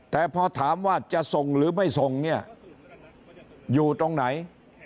แต่พอถามว่าจะส่งหรือไม่ส่งเนี่ยอยู่ตรงไหน